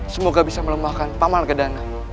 semoga bisa melemahkan paman argadana